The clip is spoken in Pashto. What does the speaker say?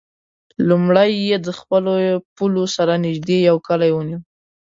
لومړی یې د خپلو پولو سره نژدې یو کلی ونیو.